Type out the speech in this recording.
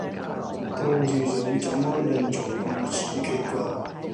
當時想怎麼鄰座如此奇怪